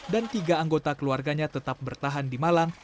dan tiga anggota keluarganya tetap bertahan di malang